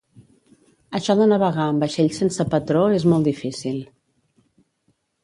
Això de navegar amb vaixell sense patró és molt difícil